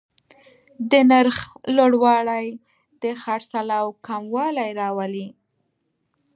د نرخ لوړوالی د خرڅلاو کموالی راولي.